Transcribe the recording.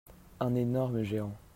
Un énorme géant.